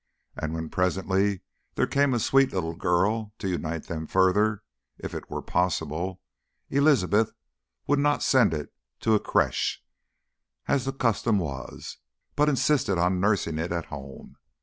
And when presently there came a sweet little girl, to unite them further if it were possible, Elizabeth would not send it to a creche, as the custom was, but insisted on nursing it at home.